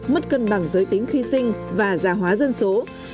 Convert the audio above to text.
mất cân bằng giới tính khi sinh và gia hóa dân số